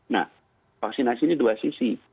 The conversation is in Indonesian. nah vaksinasi ini dua sisi